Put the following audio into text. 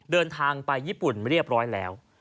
เดินทางไปญี่ปุ่นเรียบร้อยแล้ว